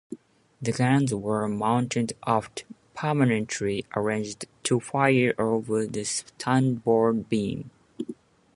The guns were mounted aft, permanently arranged to fire over the starboard beam.